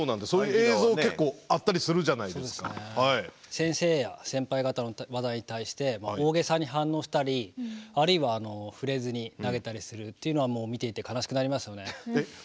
先生や先輩方の技に対して大げさに反応したりあるいは触れずに投げたりするっていうのは見ていて悲しくなりますよね。